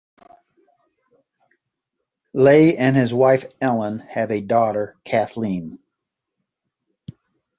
Ley and his wife Ellen have a daughter, Kathleen.